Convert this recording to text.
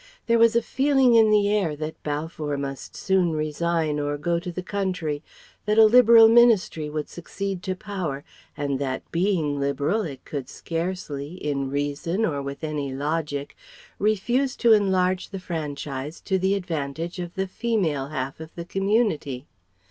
There was a feeling in the air that Balfour must soon resign or go to the country, that a Liberal Ministry would succeed to power, and that being Liberal it could scarcely, in reason or with any logic, refuse to enlarge the franchise to the advantage of the female half of the community.